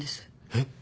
えっ？